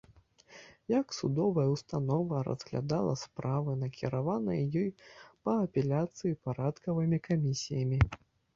Як судовая ўстанова разглядала справы, накіраваныя ёй па апеляцыі парадкавымі камісіямі.